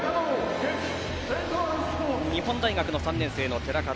日本大学３年生の寺門。